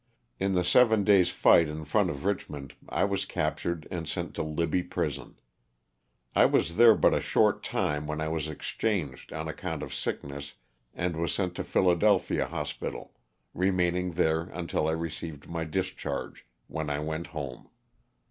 In the seven days' fight in front of Eichmond I was captured and sent to Libby prison. I was there but a short time when I was exchanged on account of sick ness, and was sent to Philadelphia hospital, remain ing there until I received my discharge, when I went home.